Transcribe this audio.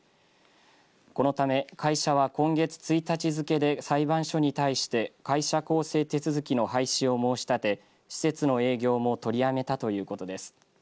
このため会社は今月１日付けで裁判所に対して会社更生手続きの廃止を申し立て施設の営業も取りやめたということです。